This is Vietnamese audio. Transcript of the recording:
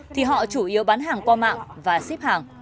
thì họ chủ yếu bán hàng qua mạng và ship hàng